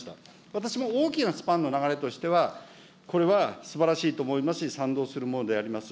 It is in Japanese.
私も大きなスパンの流れとしては、これはすばらしいと思いますし、賛同するものであります。